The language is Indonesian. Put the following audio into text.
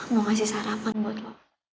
mau kasih sarapan buat lo